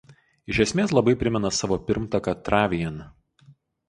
Iš esmės labai primena savo pirmtaką „Travian“.